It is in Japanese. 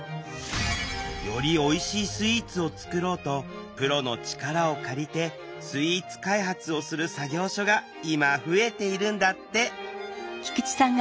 よりおいしいスイーツを作ろうとプロの力を借りてスイーツ開発をする作業所が今増えているんだって